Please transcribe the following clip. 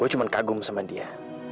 gue cuma kagum sama dia